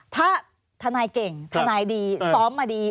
ถ้าทนายเก่งทนายดีซ้อมมาดี